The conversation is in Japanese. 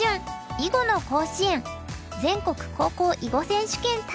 囲碁の甲子園全国高校囲碁選手権大会」。